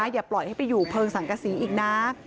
อย่าปล่อยให้ไปอยู่เพลิงสังกษีอีกนะ